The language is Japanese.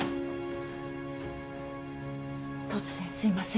・突然すいません。